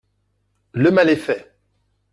Le mal est fait